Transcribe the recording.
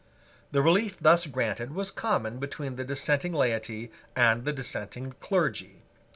The relief thus granted was common between the dissenting laity and the dissenting clergy.